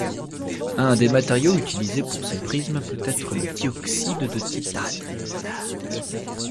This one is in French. Un des matériaux utilisés pour ces prismes peut-être le dioxyde de titane.